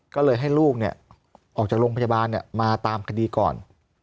ก็เลยให้ลูกออกจากโรงพยาบาลมาตามคดีก่อน